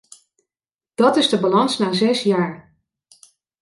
Dat is de balans na zes jaar!